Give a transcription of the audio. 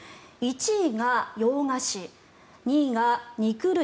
１位が洋菓子２位が肉類。